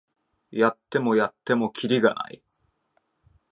やってもやってもキリがない